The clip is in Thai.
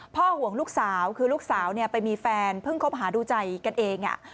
ห่วงลูกสาวคือลูกสาวไปมีแฟนเพิ่งคบหาดูใจกันเอง